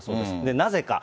なぜか。